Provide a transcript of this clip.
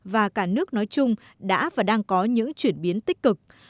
và cả nước nói chung đã và đang có những chuyển biến tích cực